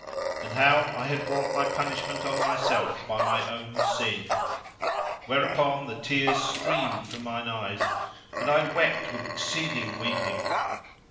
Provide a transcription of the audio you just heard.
and how I had brought my punishment on myself by my own sin; where upon the tears streamed from mine eyes and I wept with exceed ing weeping.